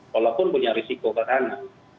walaupun punya risiko ke sana